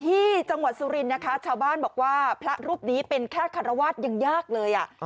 ที่จังหวัดสุรินทร์นะคะชาวบ้านบอกว่าพระรูปนี้เป็นแค่คารวาสยังยากเลยอ่ะ